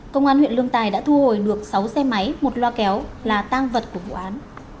công an huyện lương tài đã thu hồi được sáu xe máy một loa kéo là tang vật của vụ án